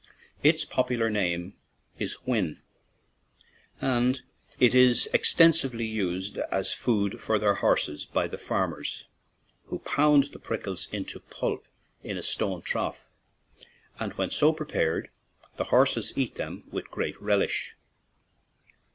Its popular name is "whin," and it is extensively used as food for their horses by the farm ers, who pound the prickles into pulp in a stone trough, and when so prepared the horses eat them with great relish.